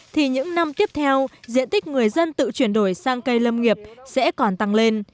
thì những năm tiếp theo diện tích người dân tự chuyển đổi sang cây lâm nghiệp sẽ còn tăng lên